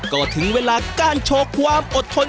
ก็ถึงเวลาการโชว์ความอดทน